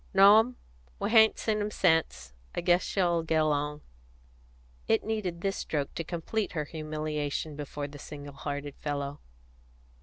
"No, 'm. We hain't seen him sence. I guess she'll get along." It needed this stroke to complete her humiliation before the single hearted fellow.